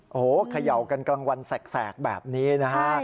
โอ้โหเขย่ากันกลางวันแสกแบบนี้นะฮะ